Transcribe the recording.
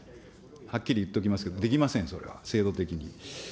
はっきり言っておきますけれども、できません、それは、制度的に。